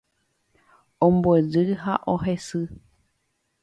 Ombojy ha ohesy.